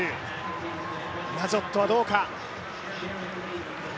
ナジョットはどうか？